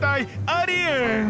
ありえん！